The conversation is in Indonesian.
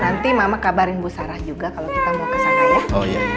nanti mama kabarin bu sarah juga kalau kita mau kesana ya